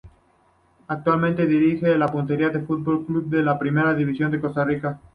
Actualmente dirige al Puntarenas Fútbol Club de la Primera División de Costa Rica.